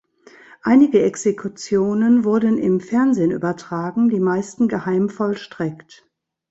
Einige Exekutionen wurden im Fernsehen übertragen, die meisten geheim vollstreckt.